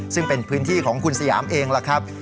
ซึ่งเป็นพื้นที่ของคุณสยามเองล่ะครับ